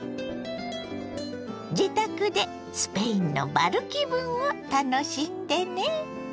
自宅でスペインのバル気分を楽しんでね。